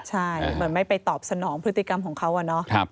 ใช่เหมือนไม่ไปตอบสนองพฤติกรรมของเขาอะเนาะ